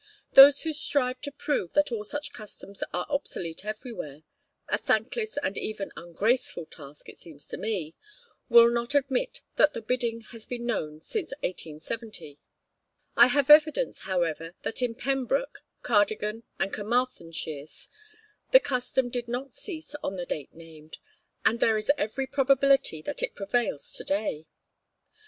Those who strive to prove that all such customs are obsolete everywhere a thankless and even ungraceful task, it seems to me will not admit that the Bidding has been known since 1870. I have evidence, however, that in Pembroke, Cardigan, and Carmarthen shires, the custom did not cease on the date named, and there is every probability that it prevails to day.